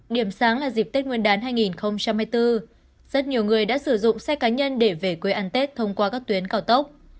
điểm sáng là dịp tết nguyên đán hai nghìn hai mươi bốn rất nhiều người đã sử dụng xe cá nhân để về quê ăn tết thông qua các tuyến cao tốc